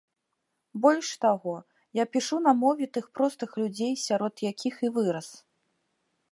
Больш таго, я пішу на мове тых простых людзей, сярод якіх і вырас.